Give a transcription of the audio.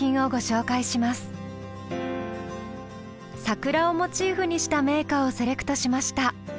「桜」をモチーフにした名歌をセレクトしました。